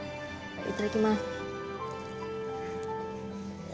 いただきます。